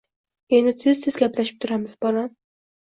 Endi, tez-tez gaplashib turamiz, bolam